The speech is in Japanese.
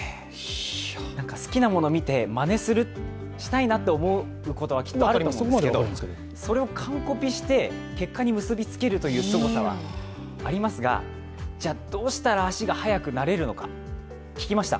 好きなものを見て、まねしたいなと思うことはきっとあると思うんですけど、それを完コピして結果に結びつけるというすごさはありますが、ではどうしたら足が速くなれるのか、聞きました。